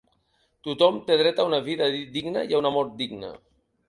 Tothom té dret a una vida digna i a una mort digna.